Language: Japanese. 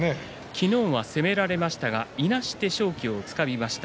昨日は攻められましたがいなして、勝機をつかみました。